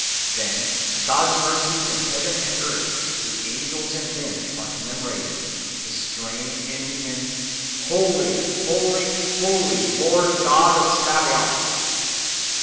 Then God s mercies in heaven and earth, through angels and men, are com memorated, the strain ending in " Holy, Holy, Holy, Lord God of Sabaoth."